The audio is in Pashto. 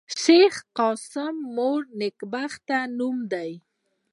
د شېخ قاسم مور نېکبخته نومېده.